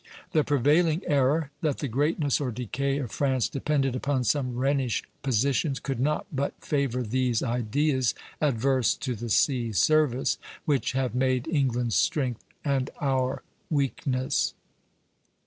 The prevailing error, that the greatness or decay of France depended upon some Rhenish positions, could not but favor these ideas adverse to the sea service, which have made England's strength and our weakness."